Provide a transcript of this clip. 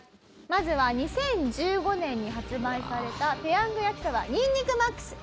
まずは２０１５年に発売されたペヤングやきそばにんにくＭＡＸ。